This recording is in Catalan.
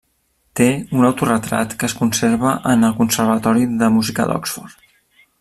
Té un autoretrat que es conserva en el conservatori de música d'Oxford.